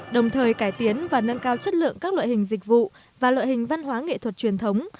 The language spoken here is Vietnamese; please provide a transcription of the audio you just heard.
đồng thời cải tiến và nâng cao chất lượng các loại hình dịch vụ và loại hình văn hóa nghệ thuật truyền thống